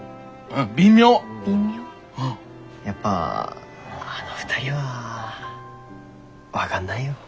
やっぱあの２人は分かんないよ